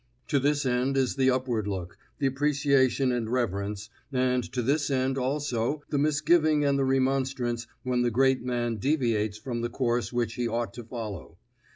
To this end is the upward look, the appreciation and reverence, and to this end also the misgiving and the remonstrance when the great man deviates from the course which he ought to follow.